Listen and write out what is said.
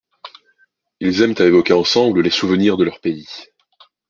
Ils aiment à évoquer ensemble les souvenirs de leur pays.